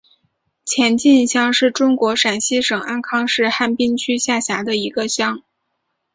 前进乡是中国陕西省安康市汉滨区下辖的一个乡。